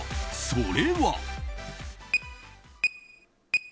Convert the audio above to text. それは。